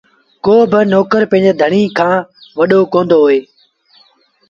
ڪو با نوڪر پنڊري ڌڻيٚ کآݩ وڏو ڪوندو هوئي